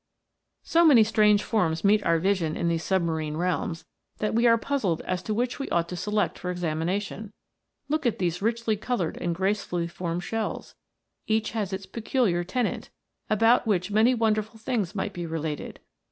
* So many strange forms meet our vision in these submarine realms, that we are puzzled as to which we ought to select for examination. Look at all these richly coloured and gracefully formed shells ; each has its peculiar tenant, about which many won derful things might be related.